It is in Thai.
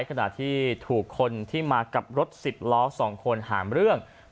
ขณะที่ถูกคนที่มากับรถ๑๐ล้อ๒คนหามเรื่อง